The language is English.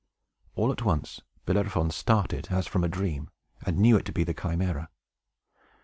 All at once, Bellerophon started as from a dream, and knew it to be the Chimæra.